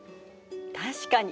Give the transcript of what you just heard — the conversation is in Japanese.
確かに。